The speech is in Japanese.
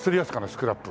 スクラップ。